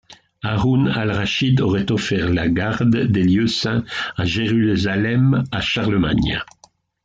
Hâroun al-Rachîd aurait offert la garde des lieux saints à Jérusalem à Charlemagne.